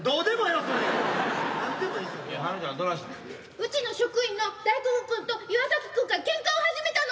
うちの職員の大黒君と岩君がケンカを始めたの。